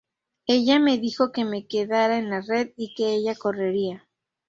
Ella me dijo que me quedara en la red y que ella correría"".